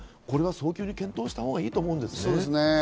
これは早急に検討したほうがいいですね。